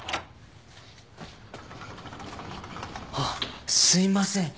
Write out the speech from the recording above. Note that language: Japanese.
あっすいません